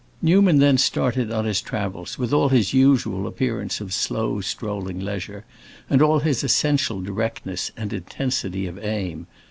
Newman then started on his travels, with all his usual appearance of slow strolling leisure, and all his essential directness and intensity of aim.